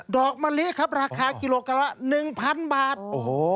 ดอกมะลิครับราคากิโลกรัมละหนึ่งพันบาทโอ้โห